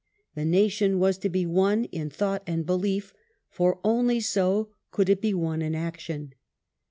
The nation was to be one in thought and belief, for only so could it be one in action.